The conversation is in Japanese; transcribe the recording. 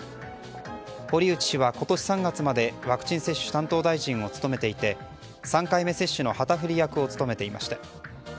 堀内氏は今年３月までワクチン接種担当大臣を務めていて３回目接種の旗振り役を務めていました。